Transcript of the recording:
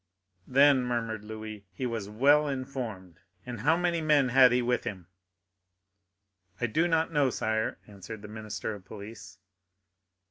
"Then," murmured Louis, "he was well informed. And how many men had he with him?" "I do not know, sire," answered the minister of police.